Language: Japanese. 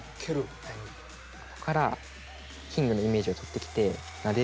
ここからキングのイメージを取ってきてなでると。